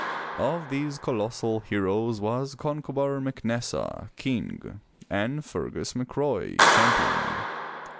Of these colossal heroes was Con'co bar Mac Nes'sa, King, and Fer'gus MacRoy, Champion.